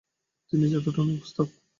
তিনি যাদু-টোনায় উস্তাদ।